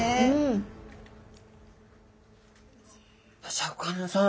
シャーク香音さん。